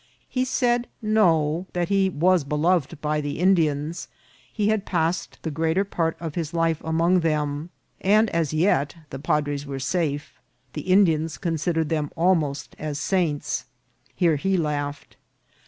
He said no ; that he was beloved by the In dians ; he had passed the greater part of his life among them ; and as yet the padres were safe : the Indians considered them almost as saints. Here he laughed.